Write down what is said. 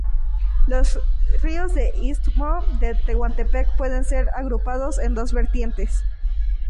Los ríos del istmo de Tehuantepec pueden ser agrupados en dos vertientes.